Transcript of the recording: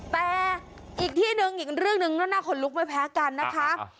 แต่อีกที่หนึ่งอีกเรื่องหนึ่งก็น่าขนลุกไม่แพ้กันนะคะ